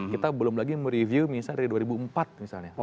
kita belum lagi mereview misalnya dari dua ribu empat misalnya